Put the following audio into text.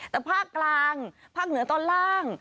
แต่ภาคกลางภาคเหนือตอนล่าง